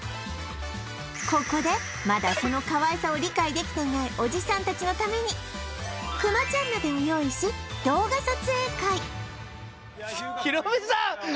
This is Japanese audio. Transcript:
ここでまだそのかわいさを理解できていないおじさんたちのためにくまちゃん鍋を用意し動画撮影会ヒロミさん